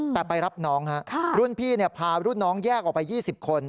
แต่ไปรับน้องฮะค่ะรุ่นพี่เนี่ยพารุ่นน้องแยกออกไปยี่สิบคน